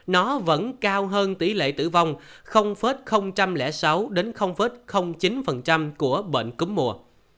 nó vẫn cao hơn tỷ lệ tử vong sáu chín của bệnh cúm mùa